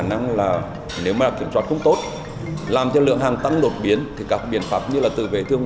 năng là nếu kiểm soát không tốt làm cho lượng hàng tăng lột biến các biện pháp như từ về thương